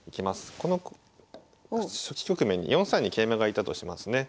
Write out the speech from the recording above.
この初期局面に４三に桂馬が居たとしますね。